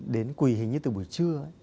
đến quỳ hình như từ buổi trưa